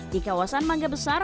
di kawasan mangga besar